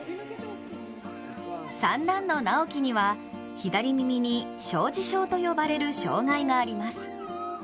三男の直喜には左耳に小耳症と呼ばれる障害があります。